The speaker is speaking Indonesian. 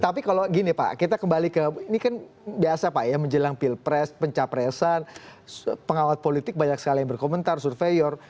tapi kalau gini pak kita kembali ke ini kan biasa pak ya menjelang pilpres pencapresan pengawat politik banyak sekali yang berkomentar surveyor